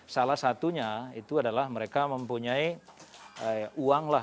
salah satunya itu adalah mereka mempunyai uang lah